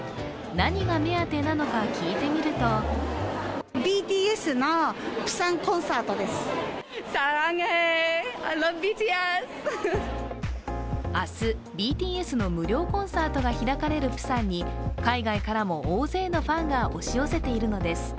何が目当てなのか聞いてみると明日、ＢＴＳの無料コンサートが開かれるプサンに海外からも大勢のファンが押し寄せているのです。